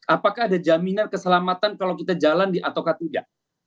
apakah ada jaminan keselamatan kalau kita jalan atau tidak